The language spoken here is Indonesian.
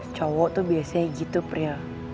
cowok tuh biasanya gitu pria